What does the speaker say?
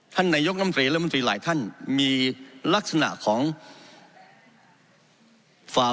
ท่านนายกรรมตรีรัฐมนตรีหลายท่านมีลักษณะของฝ่า